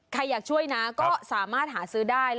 ใครอยากช่วยนะก็สามารถหาซื้อได้